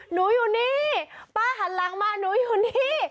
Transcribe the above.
หนูอยู่นี่ป้าหันหลังมาหนูอยู่นี่